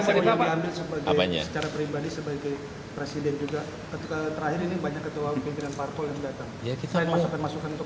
secara pribadi sebagai presiden juga terakhir ini banyak ketua umum dan ketua umum yang datang